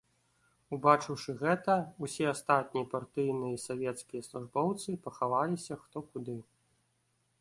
Убачыўшы гэта, усе астатнія партыйныя і савецкія службоўцы пахаваліся хто куды.